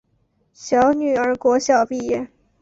小女儿国小毕业